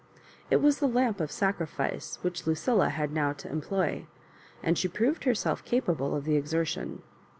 It was the Lamp of sacrifice which Lucilla had now to employ, and she proved herself capable of the exertion.